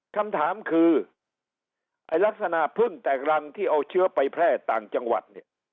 คำถามคือไอ้ลักษณะพึ่งแตกรังที่เอาเชื้อไปแพร่ต่างจังหวัดเนี่ย